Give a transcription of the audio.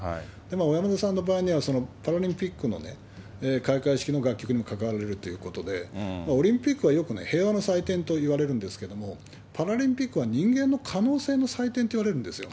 小山田さんの場合には、そのパラリンピックの開会式の楽曲にも関われるということで、オリンピックはよくね、平和の祭典といわれるんですけれども、パラリンピックは人間の可能性の祭典といわれるんです。